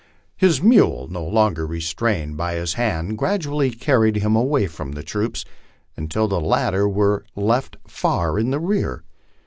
His mule, no longer restrained by his hand, gradually carried him away from the troops, until the latter were left far in the rear.